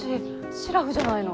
シラフじゃないの。